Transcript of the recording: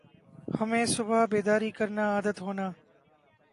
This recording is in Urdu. ہمیں صبح بیداری کرنا عادت ہونا